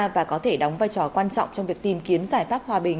và có thể đóng vai trò quan trọng trong việc tìm kiếm giải pháp hòa bình